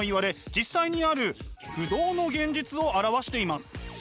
実際にある不動の現実を表しています。